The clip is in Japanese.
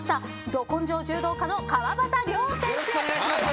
ど根性柔道家の川端龍選手。